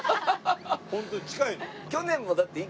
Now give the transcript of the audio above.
ホントに近いの。